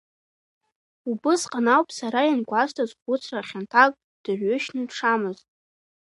Убысҟан ауп сара иангәасҭаз хәыцра хьанҭак дырҩышьны дшамаз.